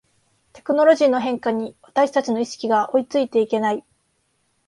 テクノロジーの変化に私たちの意識が追いついていけない